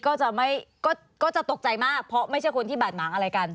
ก็จะไม่ก็จะตกใจมากเพราะไม่ใช่คนที่บาดหมางอะไรกัน